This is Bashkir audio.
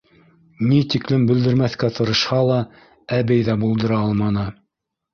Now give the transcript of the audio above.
Ни тиклем белдермәҫкә тырышһа ла, әбей ҙә булдыра алманы: